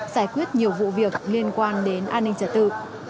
giải quyết nhiều vụ việc liên quan đến an ninh trả tự